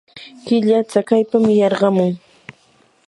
killa tsakaypam yarqamun.